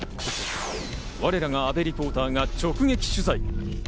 我らが阿部リポーターが直撃取材。